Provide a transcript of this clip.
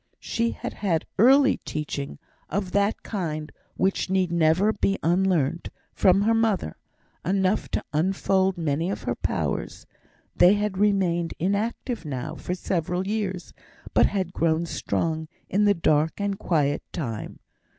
She had had early teaching, of that kind which need never be unlearnt, from her mother; enough to unfold many of her powers; they had remained inactive now for several years, but had grown strong in the dark and quiet time.